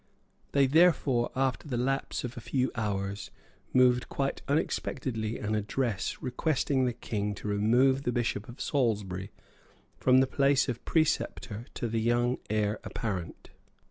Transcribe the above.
They, therefore, after the lapse of a few hours, moved quite unexpectedly an address requesting the King to remove the Bishop of Salisbury from the place of preceptor to the young heir apparent.